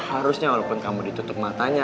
harusnya walaupun kamu ditutup matanya